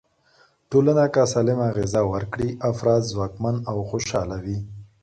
ټولنه که سالمه غذا ورکړي، افراد ځواکمن او خوشحاله وي.